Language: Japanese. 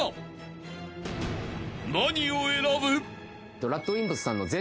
［何を選ぶ？］